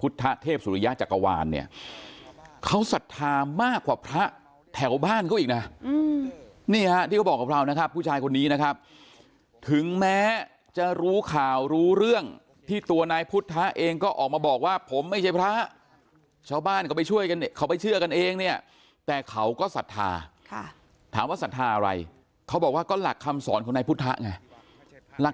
พุทธเทพสุริยะจักรวาลเนี่ยเขาศรัทธามากกว่าพระแถวบ้านเขาอีกนะนี่ฮะที่เขาบอกกับเรานะครับผู้ชายคนนี้นะครับถึงแม้จะรู้ข่าวรู้เรื่องที่ตัวนายพุทธะเองก็ออกมาบอกว่าผมไม่ใช่พระชาวบ้านก็ไปช่วยกันเขาไปเชื่อกันเองเนี่ยแต่เขาก็ศรัทธาถามว่าศรัทธาอะไรเขาบอกว่าก็หลักคำสอนของนายพุทธะไงหลัก